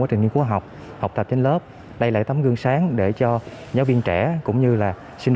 trình nghiên cứu học học tập trên lớp đây là tấm gương sáng để cho giáo viên trẻ cũng như là sinh